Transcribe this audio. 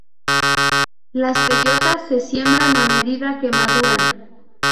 Las bellotas se siembran a medida que maduran.